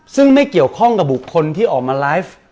ซึ่งไม่เกี่ยวข้องกับบุคคลที่ออกมาไลฟ์